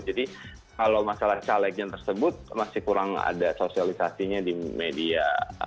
jadi kalau masalah calegnya tersebut masih kurang ada sosialisasinya di media